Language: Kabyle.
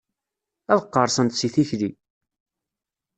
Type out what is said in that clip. Ad qqerṣent si tikli.